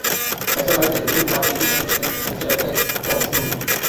Fashion website woman wear daily জানিয়েছে, ইতালির ফ্যাশনের বিশাল ভক্ত জর্জ ক্লুনি।